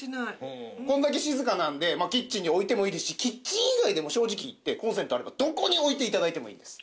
これだけ静かなのでキッチンに置いてもいいですしキッチン以外でも正直言ってコンセントあればどこに置いて頂いてもいいです。